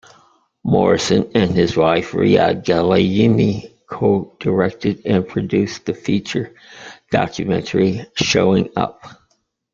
Morrison and his wife Riad Galayini co-directed and produced the feature documentary "Showing Up".